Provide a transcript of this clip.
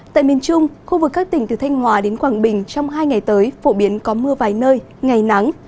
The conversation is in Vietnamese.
tại miền trung khu vực các tỉnh từ thanh hòa đến quảng bình trong hai ngày tới phổ biến có mưa vài nơi ngày nắng